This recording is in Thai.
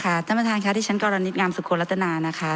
ค่ะท่านประทานค่ะดิฉันกรณิตงามสุโกรธนานะคะ